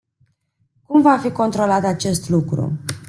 Cum va fi controlat acest lucru?